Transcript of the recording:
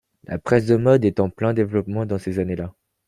La presse de mode est en plein développement dans ces années là.